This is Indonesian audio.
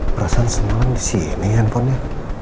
berasa semalam disini handphonenya